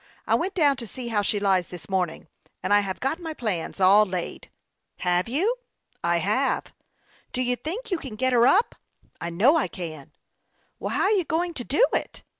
I went down to see how she lies this morning, and I have got my plans all laid." " Have you ?"" I have." " Do you think you can get her up ?"" I know I can." " Well, how are you going to do it